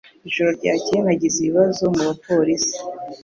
Ijoro ryakeye nagize ibibazo mubapolisi.